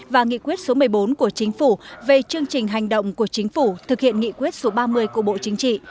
và nghị quyết số một mươi bốn của chính phủ về chương trình hành động của chính phủ thực hiện nghị quyết số ba mươi của bộ chính trị